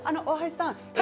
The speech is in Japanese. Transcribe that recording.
大橋さん